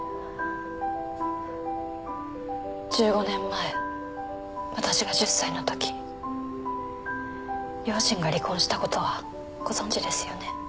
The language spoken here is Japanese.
１５年前私が１０歳の時両親が離婚した事はご存じですよね？